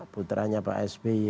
putranya pak sby